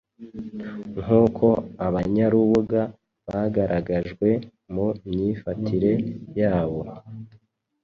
nk’uko abanyarubuga bagaragajwe mu myifatire yabo.